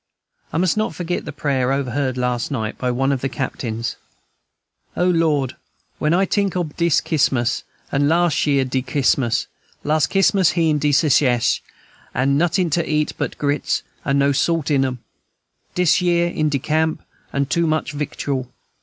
I must not forget the prayer overheard last night by one of the captains: "O Lord! when I tink ob dis Kismas and las' year de Kismas. Las' Kismas he in de Secesh, and notin' to eat but grits, and no salt in 'em. Dis year in de camp, and too much victual!"